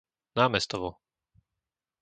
Námestovo